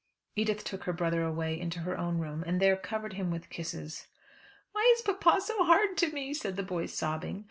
Edith took her brother away into her own room, and there covered him with kisses. "Why is papa so hard to me?" said the boy sobbing.